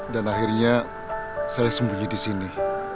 dan akhirnya saya sembunyi di sini